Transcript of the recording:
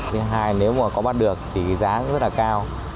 thứ hai nếu mà có bắt được thì giá cũng rất là cao